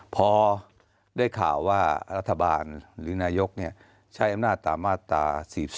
พอได้ข่าวว่ารัฐบาลหรือนายกใช้อำนาจตามมาตรา๔๔